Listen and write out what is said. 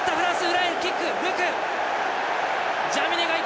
裏へキック。